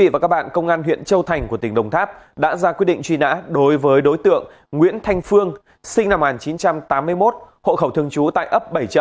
về chuyên án tội phạm